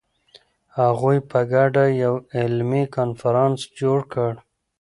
هغوی په ګډه یو علمي کنفرانس جوړ کړ.